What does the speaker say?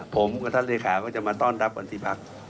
ผมกับท่านเลขาก็จะมาต้อนรับวันที่พัก